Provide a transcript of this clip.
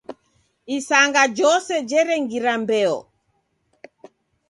Isanga jose jerengira mbeo.